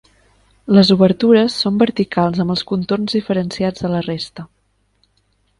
Les obertures són verticals amb els contorns diferenciats de la resta.